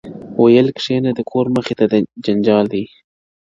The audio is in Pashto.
• ويل كښېنه د كور مخي ته جنجال دئ -